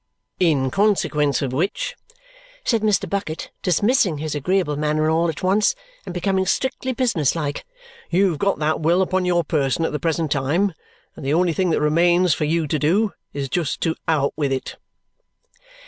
"In consequence of which," said Mr. Bucket, dismissing his agreeable manner all at once and becoming strictly business like, "you've got that will upon your person at the present time, and the only thing that remains for you to do is just to out with it!"